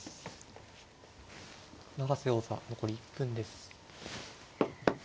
永瀬王座残り１分です。